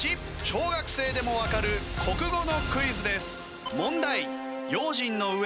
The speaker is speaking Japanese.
小学生でもわかる国語のクイズです。